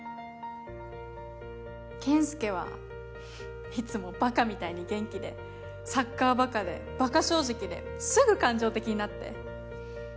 健介はフフいつもバカみたいに元気でサッカーバカでバカ正直ですぐ感情的になって。